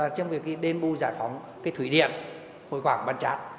trong việc đền bù giải phóng cái thủy điện hồi quảng bàn trán